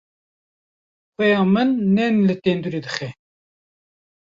Xweha min nên li tenûrê dixe.